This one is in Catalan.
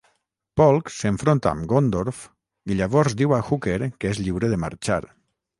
Polk s'enfronta amb Gondorff i llavors diu a Hooker que és lliure de marxar.